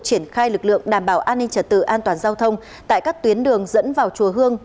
triển khai lực lượng đảm bảo an ninh trật tự an toàn giao thông tại các tuyến đường dẫn vào chùa hương